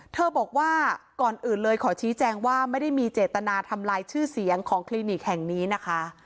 บอกว่าก่อนอื่นเลยขอชี้แจงว่าไม่ได้มีเจตนาทำลายชื่อเสียงของคลินิกแห่งนี้นะคะ